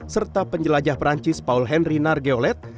serta penjelajah perancis paul henry nargeolet